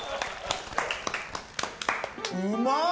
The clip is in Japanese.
うまっ！